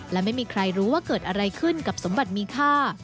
และไม่มีใครรู้ว่าเกิดอะไรขึ้นกับสมบัติมีค่า